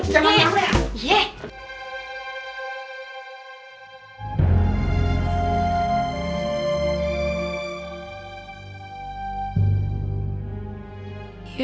jangan bangun ya